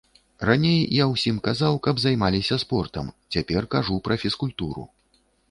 Раней я ўсім казаў, каб займаліся спортам, цяпер кажу пра фізкультуру.